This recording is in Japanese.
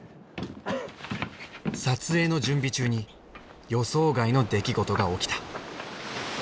撮影の準備中に予想外の出来事が起きた。